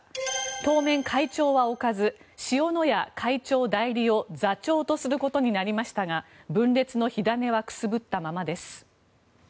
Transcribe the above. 当面、会長は置かず塩谷会長代理を座長とすることになりましたが分裂の火種はくすぶったままです。